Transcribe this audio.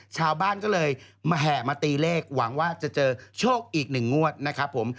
ชาวบ้านก็เลยแห่มาตีเลขหวังว่าจะเจอโชคอีกหนึ่งงวดนะครับผม